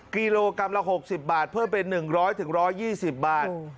กิโลกรัมละ๖๐บาทเพิ่มเป็น๑๐๐๑๒๐บาท